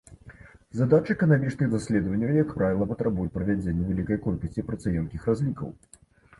Задачы эканамічных даследаванняў, як правіла, патрабуюць правядзення вялікай колькасці працаёмкіх разлікаў.